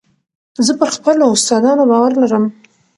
زه پر خپلو استادانو باور لرم.